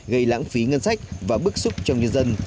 gây lãng phí ngân sách và bức xúc trong nhân dân